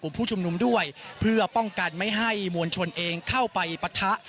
ผู้ชุมนุมด้วยเพื่อป้องกันไม่ให้มวลชนเองเข้าไปปะทะ